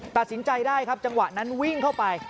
ตัดสินใจได้ครับจังหวะนั้นวิ่งเข้าไป